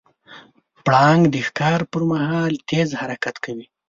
پړانګ د ښکار پر مهال تیز حرکت کوي.